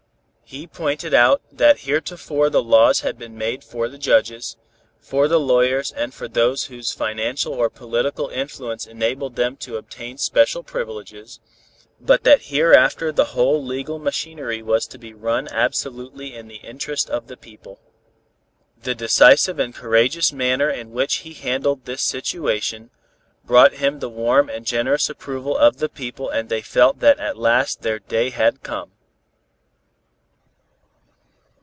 He pointed out that heretofore the laws had been made for the judges, for the lawyers and for those whose financial or political influence enabled them to obtain special privileges, but that hereafter the whole legal machinery was to be run absolutely in the interest of the people. The decisive and courageous manner in which he handled this situation, brought him the warm and generous approval of the people and they felt that at last their day had come.